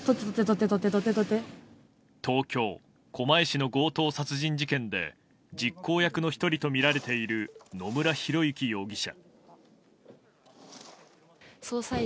東京・狛江市の強盗殺人事件で実行役の１人とみられている野村広之容疑者。